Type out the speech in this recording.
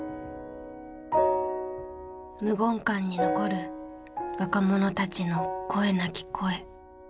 無言館に残る若者たちの声なき声。